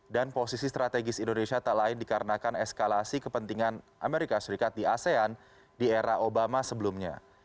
dan posisi strategis indonesia tak lain dikarenakan eskalasi kepentingan amerika serikat di asean di era obama sebelumnya